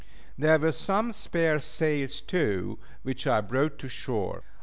There were some spare sails too which I brought to shore.